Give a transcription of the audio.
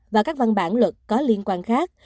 và các văn bản luật có liên quan khác